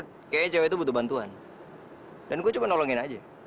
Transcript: saya harusnya berterima kasih sama kamu dan nolongin tasya